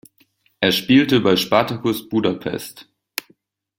Er spielte bei Spartacus Budapest.